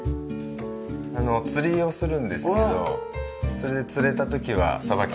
あの釣りをするんですけどそれで釣れた時はさばき担当でやってます。